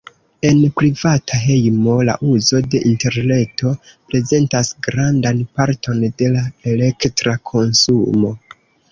En privata hejmo, la uzo de interreto prezentas grandan parton de la elektra konsumo.